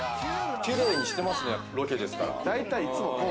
キレイにしてますね、ロケですから。